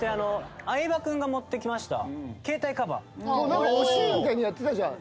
何か「惜しい」みたいにやってたじゃん。